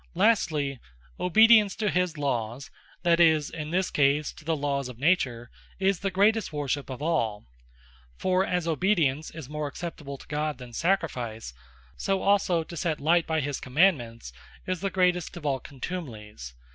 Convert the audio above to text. Lastly, Obedience to his Lawes (that is, in this case to the Lawes of Nature,) is the greatest worship of all. For as Obedience is more acceptable to God than sacrifice; so also to set light by his Commandements, is the greatest of all contumelies.